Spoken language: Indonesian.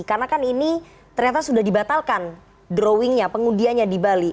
karena kan ini ternyata sudah dibatalkan drawingnya pengundianya di bali